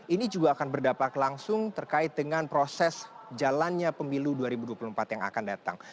ini juga akan berdampak langsung terkait dengan proses jalannya pemilu dua ribu dua puluh empat yang akan datang